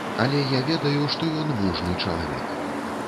Але я ведаю, што ён мужны чалавек.